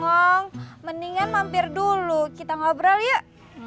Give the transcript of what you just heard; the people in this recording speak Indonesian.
ngomong mendingan mampir dulu kita ngobrol yuk